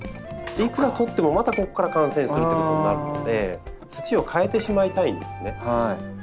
いくら取ってもまたここから感染するっていうことになるので土を替えてしまいたいんですね。